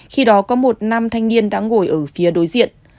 khi đó có một nam thanh niên đã ngồi ở phía đối diện